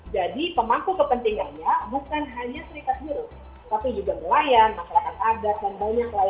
jadi pemangku kepentingannya bukan hanya serikat buruh tapi juga nelayan masyarakat agak dan banyak lainnya